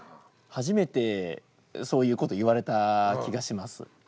初めてそういうこと言われた気がします。